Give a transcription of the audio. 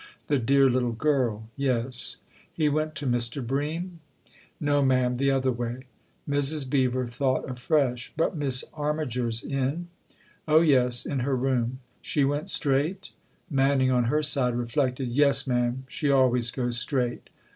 '"The dear little girl yes. He went to Mr. Bream ?"" No, ma'am the other way." Mrs. Beever thought afresh. " But Miss Armiger's in?" " Oh, yes in her room." " She went straight ?" Manning, on her side, reflected. "Yes, ma'am. She always goes straight."